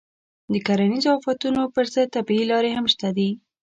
د کرنیزو آفتونو پر ضد طبیعي لارې هم شته دي.